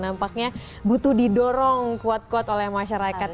nampaknya butuh didorong kuat kuat oleh masyarakat